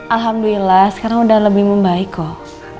alhamdulillah sekarang udah lebih membaik kok